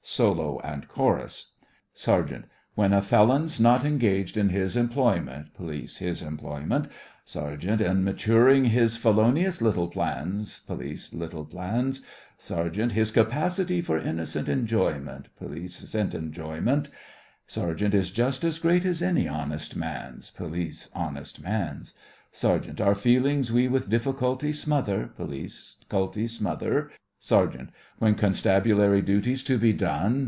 SOLO AND CHORUS SERGEANT: When a felon's not engaged in his employment POLICE: His employment SERGEANT: Or maturing his felonious little plans, POLICE: Little plans, SERGEANT: His capacity for innocent enjoyment POLICE: 'Cent enjoyment SERGEANT: Is just as great as any honest man's. POLICE: Honest man's. SERGEANT: Our feelings we with difficulty smother POLICE: 'Culty smother SERGEANT: When constabulary duty's to be done.